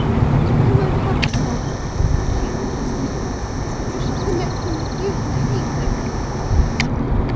"I won't have them now," she answered. "I shall connect them with you, and hate them."